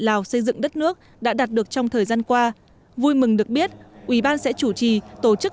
lào xây dựng đất nước đã đạt được trong thời gian qua vui mừng được biết ủy ban sẽ chủ trì tổ chức